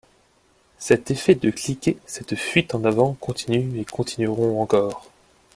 Cet effet de cliquet, cette fuite en avant continuent et continueront encore.